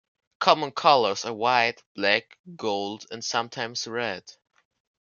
Common colors are white, black, gold and sometimes red.